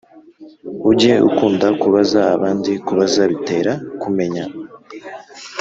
Ujye ukunda kubaza abandi ,kubaza bitera kumenya